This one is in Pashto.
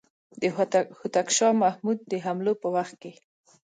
د هوتک شاه محمود د حملو په وخت کې.